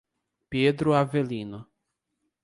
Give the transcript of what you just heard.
Pedro Avelino